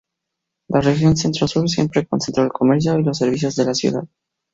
La región Centro-Sur siempre concentró el comercio y los servicios de la ciudad.